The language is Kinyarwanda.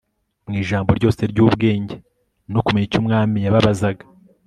mu ijambo ryose ry'ubwenge no kumeya, icyo umwami yababazaga